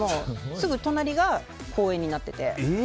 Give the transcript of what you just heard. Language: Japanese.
すぐ隣が公園になってて。